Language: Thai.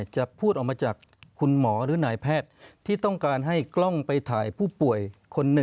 จะพูดออกมาจากคุณหมอหรือนายแพทย์ที่ต้องการให้กล้องไปถ่ายผู้ป่วยคนหนึ่ง